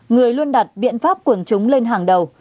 người luôn đặt biện pháp quần chúng lên hàng đầu